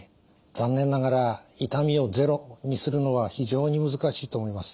残念ながら痛みをゼロにするのは非常に難しいと思います。